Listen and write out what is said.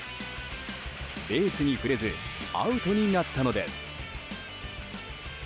ベースに触れずアウトになったのです。